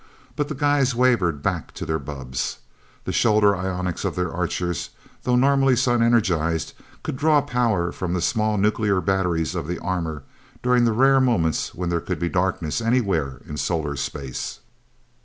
But the guys wavered back to their bubbs. The shoulder ionics of their Archers, though normally sun energized, could draw power from the small nuclear batteries of the armor during the rare moments when there could be darkness anywhere in solar space.